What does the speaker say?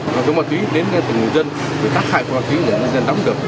đối tượng ma túy đến từ người dân đối tác hại của ma túy để người dân đóng được